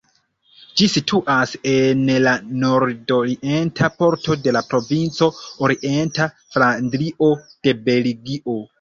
Ĝi situas en la nordorienta parto de la provinco Orienta Flandrio de Belgio.